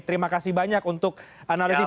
terima kasih banyak untuk analisis